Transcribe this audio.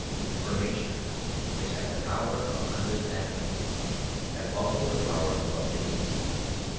For Nature, which had the power of understanding, had also the power of opining.